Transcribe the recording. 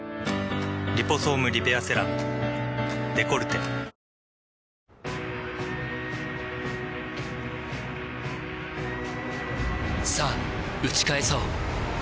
「リポソームリペアセラムデコルテ」さぁ打ち返そう